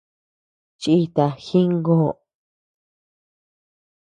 Chiíta jingö.